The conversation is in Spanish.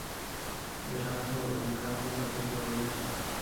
Berardo, en cambio, consiguió huir.